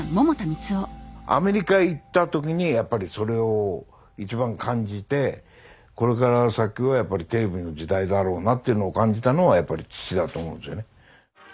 アメリカ行った時にやっぱりそれを一番感じてこれから先はやっぱりテレビの時代だろうなっていうのを感じたのはやっぱり父だと思うんですよね。